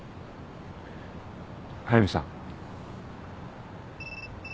速見さん。